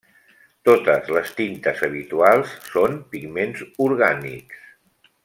Totes les tintes habituals són pigments orgànics.